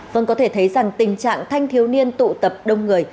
vâng có thể thấy rằng tình trạng thanh thiếu niên tụ tập đông người